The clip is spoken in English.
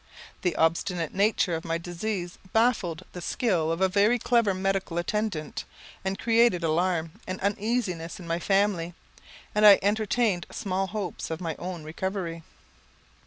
The obstinate nature of my disease baffled the skill of a very clever medical attendant, and created alarm and uneasiness in my family: and I entertained small hopes of my own recovery.